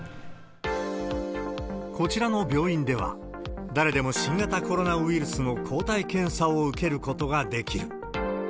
こちらの病院では、誰でも新型コロナウイルスの抗体検査を受けることができる。